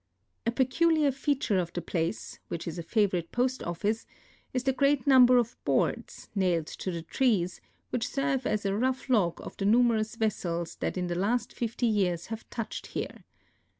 A peculiar feature of the place (which is a favorite post oHice) is the great number of boards, nailed to the trees, which serve as a rough log of the numerous vessels that in the last fifty years have touched here.